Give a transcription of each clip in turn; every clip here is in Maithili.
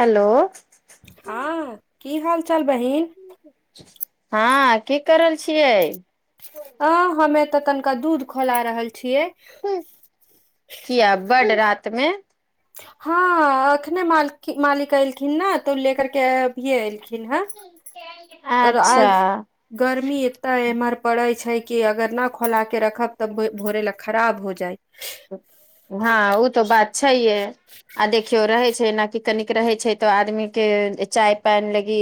हेलो हँ की हाल चाल बहिन हँ की कर रहल छियै अ हमे तऽ तनिका दूध खौला रहल छियै ह किया बड रातमे हँ एखने मालकि मालिक एलखिन न तऽ लेकरके अभिये एलखिन हे त अच्छा आज गर्मी एता य एम्हर पड़ै छै कि अगर ना खौलाके रखब तऽ भोरे लए खराब हो जाइ हँ ओ तऽ बात छैहे आ देखियौ रहै छै ना कनिक रहै छै तऽ आदमी के चाय पानि लागी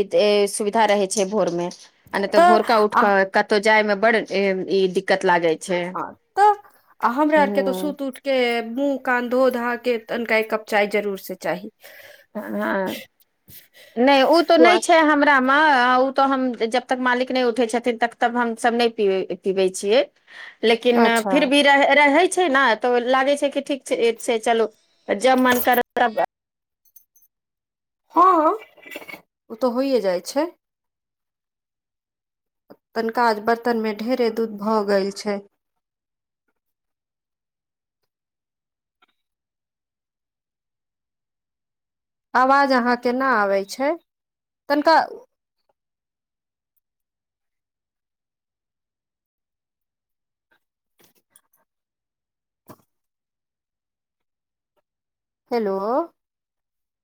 सुविधा रहै छै भोर मे आ नहि तऽ भोरका उठ क कतहु जाय मे बड़ ई दिक्कत लागे छै आ तऽ हमरा आर के तऽ ह सुत उठ के मुँह कान धो धा के तनिका एक कप चाय जरूर से चाही हँ हँ नइ ऊ तऽ नइ स्वाद छै हमरा म ऊ तऽ हम जब तक मालिक नइ उठै छथिन तब तक हमसब नइ पीबै छियै लेकिन अच्छा फिर भी रह रहै छै न तऽ लागै छै कि ठीक छै छै चलू जब मन करत तब हँ ओ तऽ होइए जाइ छै तनिका आज बर्तनमे ढेरे दूध भऽ गेल छै [inaudible] आवाज अहाँ के ना आबै छै तनिका हेलो